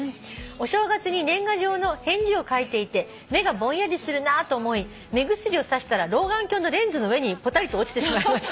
「お正月に年賀状の返事を書いていて目がぼんやりするなと思い目薬をさしたら老眼鏡のレンズの上にぽたりと落ちてしまいました」